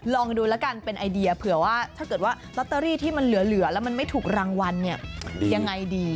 ลองดูแล้วกันเป็นไอเดียเผื่อว่าถ้าเกิดว่าลอตเตอรี่ที่มันเหลือแล้วมันไม่ถูกรางวัลเนี่ยยังไงดี